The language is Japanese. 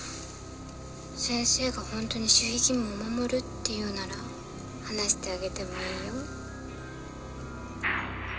先生がホントに守秘義務を守るっていうなら話してあげてもいいよ。